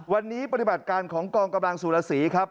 วันนี้ปฏิบัติการของกองกำลังสุรสีครับ